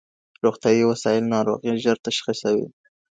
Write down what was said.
روغتيايي وسايل ناروغي ژر تشخيصوي.